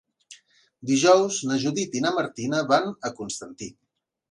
Dijous na Judit i na Martina van a Constantí.